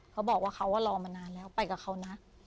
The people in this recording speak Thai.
เขาบอกว่าเขารอมานานแล้วไปกับเขานะ